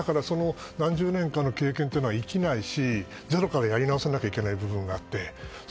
何十年かの経験は生きないしゼロからやり直さなきゃいけない部分があって。